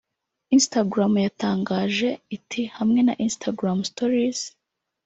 Instagram yatangaje iti “Hamwe na Instagram Stories